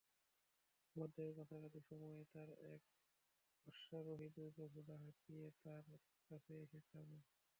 মধ্যাহ্নে কাছাকাছি সময়ে তার এক অশ্বারোহী দ্রুত ঘোড়া হাকিয়ে তার কাছে এসে থামে।